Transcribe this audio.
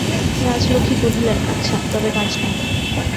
রাজলক্ষ্মী কহিলেন, আচ্ছা, তবে কাজ নাই।